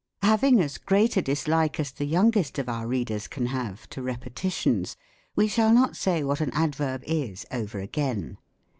Having as great a dislike as the youngest jf our readers can have to repetitions, we shall not say what an adverb is over again.